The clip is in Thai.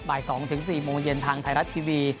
บ่ายสองถึงสี่โมงเย็นทางไทยรัฐทีวี